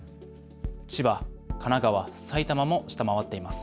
千葉、神奈川、埼玉も下回っています。